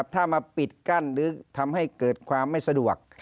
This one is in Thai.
ถ้ามาปิดกั้นหรือทำให้เกิดความไม่สะดวก